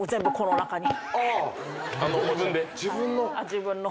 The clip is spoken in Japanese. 自分の？